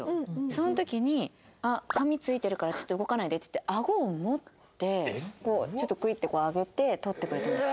その時にあっ髪ついてるからちょっと動かないでって言ってあごを持ってこうちょっとクイッて上げて取ってくれたんです。